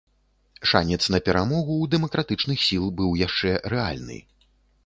Шанец на перамогу ў дэмакратычных сіл быў яшчэ рэальны.